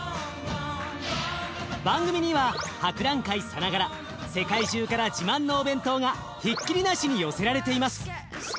番組には博覧会さながら世界中から自慢のお弁当がひっきりなしに寄せられています。